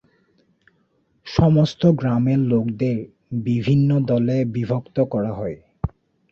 সমস্ত গ্রামের লোকদের বিভিন্ন দলে বিভক্ত করা হয়।